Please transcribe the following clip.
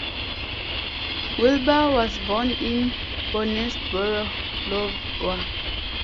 Wilbur was born in Boonesboro, Iowa.